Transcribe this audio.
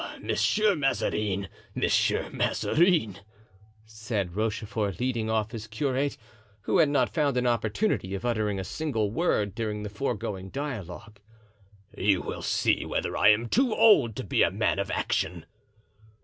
"Ah, Monsieur Mazarin, Monsieur Mazarin," said Rochefort, leading off his curate, who had not found an opportunity of uttering a single word during the foregoing dialogue, "you will see whether I am too old to be a man of action."